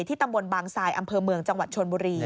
ตำบลบางทรายอำเภอเมืองจังหวัดชนบุรี